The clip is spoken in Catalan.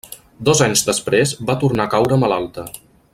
Dos anys després, va tornar a caure malalta.